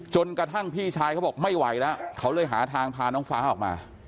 จนกระทั่งพี่ชายเขาบอกไม่ไหวแล้วเขาเลยหาทางพาน้องฟ้าออกมา